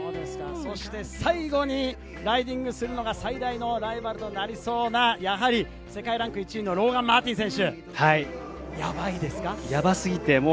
最後にライディングするのが最大のライバルになりそうな世界ランク１位のローガン・マーティン選手。